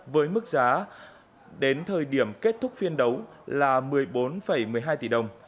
với mức giá đến thời điểm kết thúc phiên đấu là một mươi bốn một mươi hai tỷ đồng